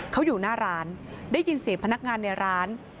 เขาอยู่หน้าร้านได้ยินเสียงพนักงานในร้าน